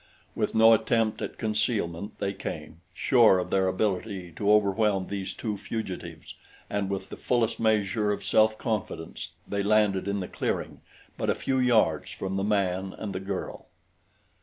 With no attempt at concealment they came, sure of their ability to overwhelm these two fugitives, and with the fullest measure of self confidence they landed in the clearing but a few yards from the man and the girl.